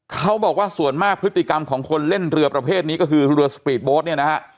เขาบอกว่าส่วนมากพฤติกรรมของคนเล่นเรือประเภทนี้ก็คือเรือสปีดโบ๊ทเนี่ยนะฮะ